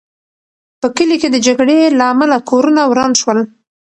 په کلي کې د جګړې له امله کورونه وران شول.